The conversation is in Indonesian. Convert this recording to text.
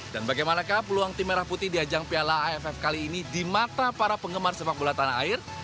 dan bagaimana peluang tim merah putih di ajang piala aff kali ini di mata para penggemar sepak bola tanah air